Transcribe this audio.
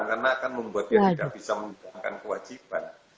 karena akan membuat dia tidak bisa menjalankan kewajiban